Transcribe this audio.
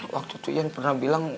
waktu itu ian pernah bilang